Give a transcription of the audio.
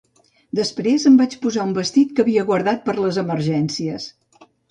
Després em vaig posar un vestit que havia guardat per a les emergències.